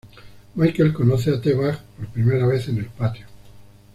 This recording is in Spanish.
Michael conoce a T-Bag por primera vez en el patio.